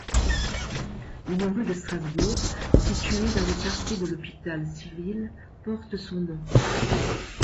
Une rue de Strasbourg, située dans le quartier de l'Hôpital civil porte son nom.